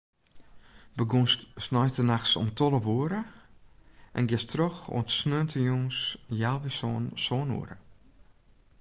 Begûnst sneintenachts om tolve oere en giest troch oant sneontejûns healwei sânen, sân oere.